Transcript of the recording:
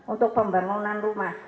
untuk pembangunan rumah